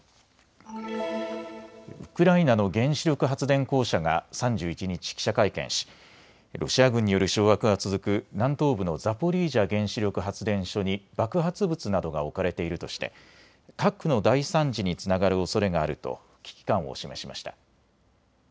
ウクライナの原子力発電公社が３１日、記者会見しロシア軍による掌握が続く南東部のザポリージャ原子力発電所に爆発物などが置かれているとして核の大惨事につながるおそれがあると危機感を示しました。